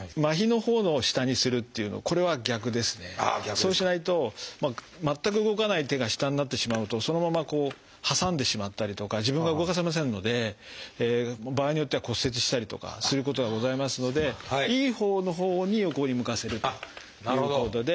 そうしないと全く動かない手が下になってしまうとそのままこう挟んでしまったりとか自分が動かせませんので場合によっては骨折したりとかすることがございますのでいいほうのほうに横に向かせるということで。